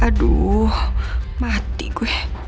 aduh mati gue